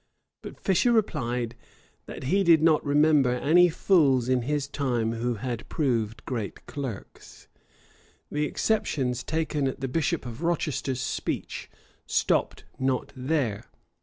But Fisher replied, that he did not remember any fools in his time who had proved great clerks. The exceptions taken at the bishop of Rochester's speech stopped not there.